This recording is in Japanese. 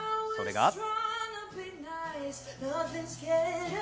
それが。